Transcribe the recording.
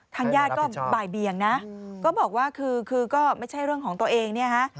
ทางญาติก็บ่ายเบียงนะก็บอกว่าคือก็ไม่ใช่เรื่องของตัวเองเนี่ยฮะ